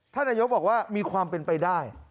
ท่านนโยคบอกว่ามีความเป็นไปได้